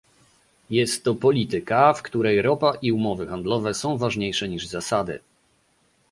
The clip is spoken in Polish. Jest to polityka, w której ropa i umowy handlowe są ważniejsze niż zasady